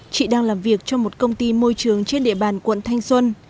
chị đang làm việc trong một công ty môi trường trên địa bàn quận thanh xuân